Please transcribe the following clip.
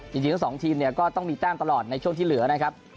จริงทั้งสองทีมเนี่ยก็ต้องมีแต้มตลอดในช่วงที่เหลือนะครับ